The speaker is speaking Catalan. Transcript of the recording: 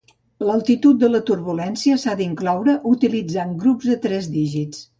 L'altitud de la turbulència s'ha d'incloure utilitzant grups de tres dígits.